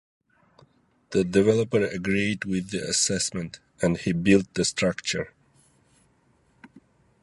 The developer agreed with the assessment, and he built the structure.